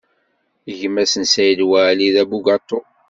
Gma-s n Saɛid Waɛli, d abugaṭu.